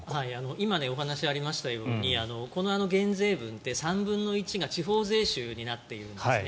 今、お話がありましたように減税分って３分の１が地方税収になっているんですね。